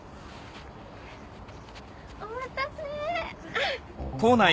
お待たせ！